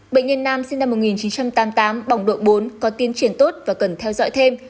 bệnh nhân nam sinh năm một nghìn chín trăm tám mươi tám bỏng độ bốn có tiến triển tốt và cần theo dõi thêm